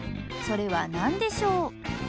それは何でしょう？